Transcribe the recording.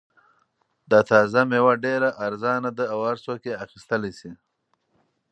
دا تازه مېوه ډېره ارزان ده او هر څوک یې اخیستلای شي.